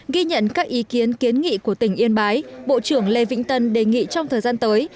ghi nhận các ý kiến kiến nghị của tỉnh yên bái bộ trưởng lê vĩnh tân đề nghị trong thời gian tới